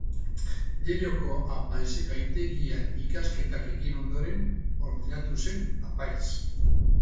Derioko apaizgaitegian ikasketak egin ondoren ordenatu zen apaiz.